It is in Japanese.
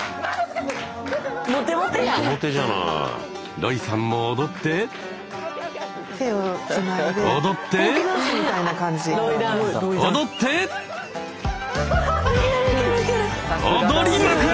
ロイさんも踊って踊って踊って踊りまくる！